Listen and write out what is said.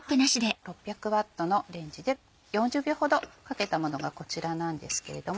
６００Ｗのレンジで４０秒ほどかけたものがこちらなんですけれども。